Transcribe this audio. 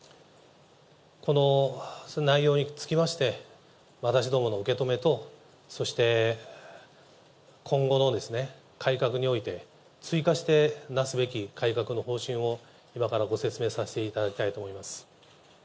この内容につきまして、私どもの受け止めと、そして、今後の改革において追加してなすべき改革の方針を今からご説明させていただきたいと思います。